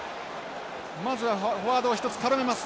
まずはフォワードを一つ絡めます